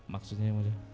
maksudnya yang mulia